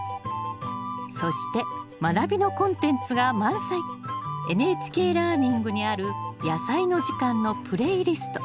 そしてまなびのコンテンツが満載「ＮＨＫラーニング」にある「やさいの時間」のプレイリスト。